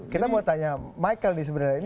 kita mau tanya michael nih sebenarnya